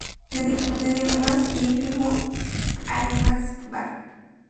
Desde lo más ínfimo a lo más vasto.